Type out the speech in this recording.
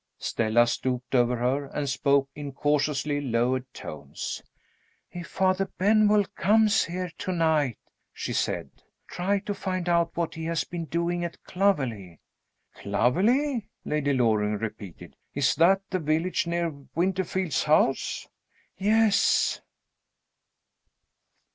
Stella stooped over her, and spoke in cautiously lowered tones. "If Father Benwell comes here to night," she said, "try to find out what he has been doing at Clovelly." "Clovelly?" Lady Loring repeated. "Is that the village near Winterfield's house?" "Yes."